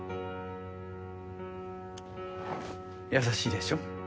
優しいでしょ。